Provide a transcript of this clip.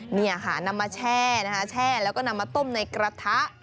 นำมาแช่แล้วก็นำมาต้มในกระทะ